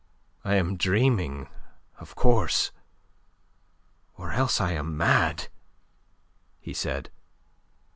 "I am dreaming, of course, or else I am mad," he said.